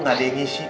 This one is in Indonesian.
gak ada yang ngisi